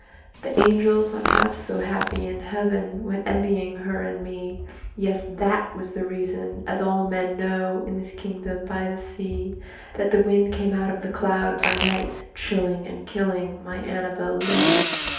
The angels, not half so happy in Heaven, Went envying her and me; Yes! that was the reason (as all men know, In this kingdom by the sea) That the wind came out of the cloud, chilling And killing my ANNABEL LEE.